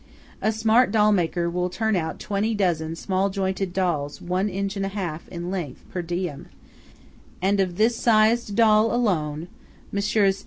A "smart" doll maker will turn out twenty dozen small jointed dolls one inch and a half in length, per diem; and of this sized doll alone Messrs.